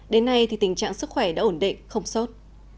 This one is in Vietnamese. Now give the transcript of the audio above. đến nay tình trạng sức khỏe đã ổn định không sốt